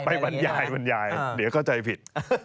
มันยายมันยายเดี๋ยวเข้าใจผิด